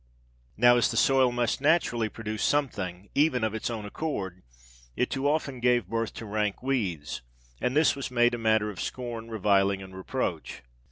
Now, as the soil must naturally produce something, even of its own accord, it too often gave birth to rank weeds; and this was made a matter of scorn, reviling, and reproach.